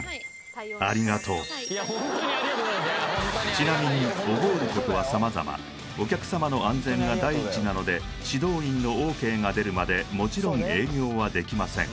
ちなみに覚えることは様々お客様の安全が第一なので指導員のＯＫが出るまでもちろん営業はできません